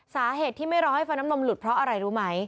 สาเหตุที่ไม่รอให้ฟ้าน้ำนมหลุดเพราะอะไรรู้ไหม